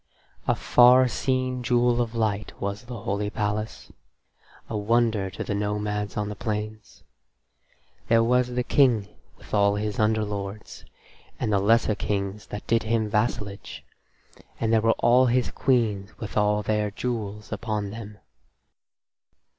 A far seen jewel of light was the holy palace, a wonder to the nomads on the plains. There was the King with all his underlords, and the lesser kings that did him vassalage, and there were all his queens with all their jewels upon them.